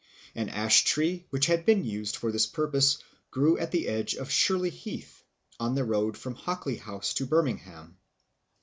An ash tree which had been used for this purpose grew at the edge of Shirley Heath, on the road from Hockly House to Birmingham.